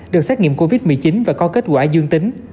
được xét nghiệm covid một mươi chín và có kết quả dương tính